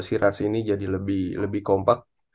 si ras ini jadi lebih kompak